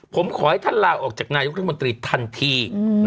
ผมขอให้ท่านลาออกจากนายกรัฐมนตรีทันที